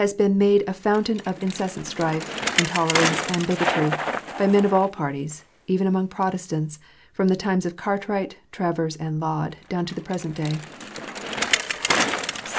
been made a fountain of incessant strife, intolerance, and bigotry by men of all parties, even among Protestants, from the times of Cartwright, Travers, and Laud, down to the present day.